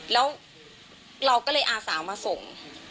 แล้วเราก็เลยอาสามาส่ง